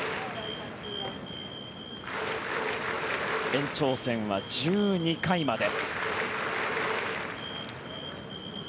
延長戦は１２回まで。